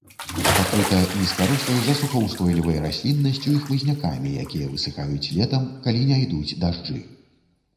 Пакрыта нізкарослай засухаўстойлівай расліннасцю і хмызнякамі, якія высыхаюць летам, калі не ідуць дажджы.